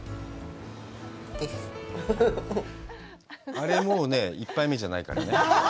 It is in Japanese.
あれ、もうね、１杯目じゃないからね。